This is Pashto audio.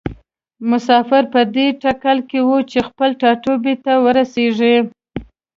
مسافر پر دې تکل کې وي چې خپل ټاټوبي ته ورسیږي.